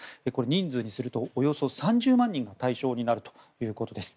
人数にするとおよそ３０万人が対象になるということです。